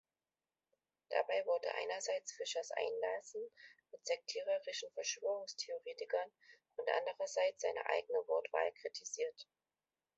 Dabei wurde einerseits Vischers Einlassen mit sektiererischen Verschwörungstheoretikern und anderseits seine eigene Wortwahl kritisiert.